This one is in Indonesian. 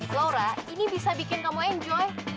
flora ini bisa bikin kamu enjoy